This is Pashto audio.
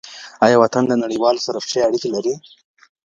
آیا وطن د نړیوالو سره ښې اړيکي لري؟